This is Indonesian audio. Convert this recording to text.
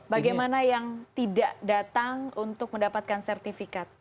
bagaimana yang tidak datang untuk mendapatkan sertifikat